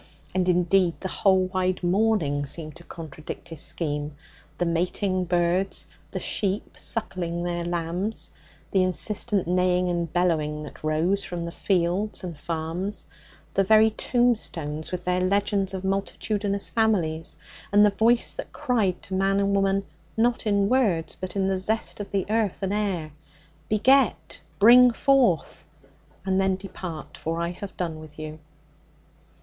And, indeed, the whole wide morning seemed to contradict his scheme the mating birds, the sheep suckling their lambs, the insistent neighing and bellowing that rose from the fields and farms, the very tombstones, with their legends of multitudinous families, and the voice that cried to man and woman, not in words, but in the zest of the earth and air, '"Beget, bring forth, and then depart, for I have done with you!"'